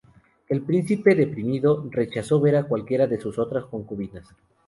El príncipe, deprimido, rechazó ver a cualquiera de sus otras concubinas.